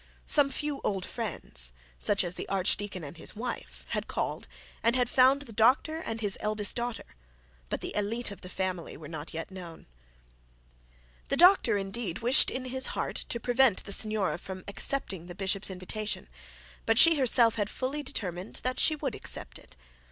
Some few old friends, such as the archdeacon and his wife, had called, and had found the doctor and his eldest daughter; but the elite of the family were not yet known. The doctor indeed wished in his heart to prevent the signora from accepting the bishop's invitation; but she herself had fully determined that she would accept it.